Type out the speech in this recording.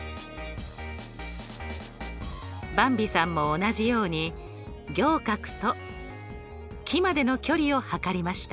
ばんびさんも同じように仰角と木までの距離を測りました。